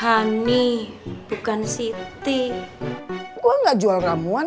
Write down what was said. hani bukan siti gua nggak jual ramuan